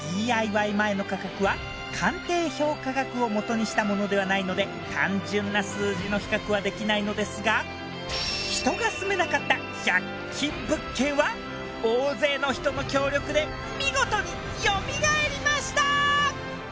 ＤＩＹ前の価格は鑑定評価額を元にしたものではないので単純な数字の比較はできないのですが人が住めなかった１００均物件は大勢の人の協力で見事に蘇りました！